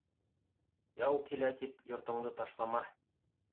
Яу килә тип йортоңдо ташлама.